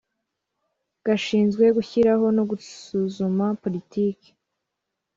gashinzwe gushyiraho no gusuzuma politiki